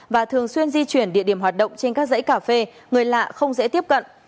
và thường xuyên di chuyển địa điểm hoạt động trên các dãy cà phê người lạ không dễ tiếp cận